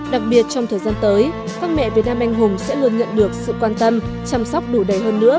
đặc biệt trong thời gian tới các mẹ việt nam anh hùng sẽ luôn nhận được sự quan tâm chăm sóc đủ đầy hơn nữa